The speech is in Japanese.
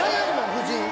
夫人。